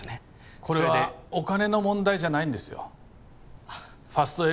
それでこれはお金の問題じゃないんですよファスト